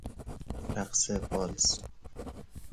رقص والس